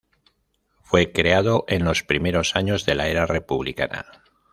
Fue creado en los primeros años de la era republicana.